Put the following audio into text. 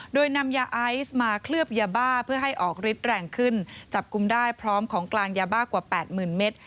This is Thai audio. โดยนำยาไอซ์มาเคลือบยาบ้าเพื่อให้ออกฤทธิ์แรงขึ้นจับกลุ่มได้พร้อมของกลางยาบ้ากว่า๘๐๐๐เมตร